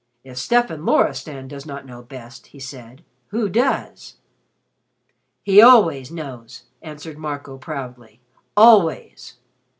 "If Stefan Loristan does not know best," he said, "who does?" "He always knows," answered Marco proudly. "Always."